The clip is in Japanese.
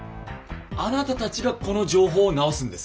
あなたたちがこの情報を直すんですか？